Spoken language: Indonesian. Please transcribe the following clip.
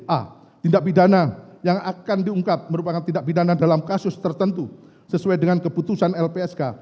a tindak pidana yang akan diungkap merupakan tindak pidana dalam kasus tertentu sesuai dengan keputusan lpsk